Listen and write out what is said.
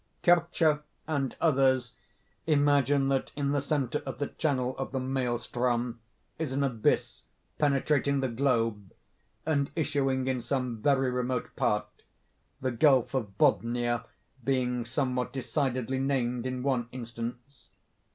Kircher and others imagine that in the centre of the channel of the Maelström is an abyss penetrating the globe, and issuing in some very remote part—the Gulf of Bothnia being somewhat decidedly named in one instance.